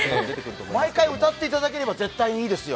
毎回歌っていただければ大丈夫ですよ。